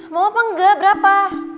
mau apa engga berapa